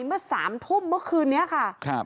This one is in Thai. เมื่อ๓ทุ่มเมื่อคืนนี้ค่ะ